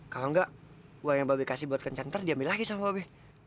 kalau enggak uang yang babi kasih buat kencantar diambil lagi sama babi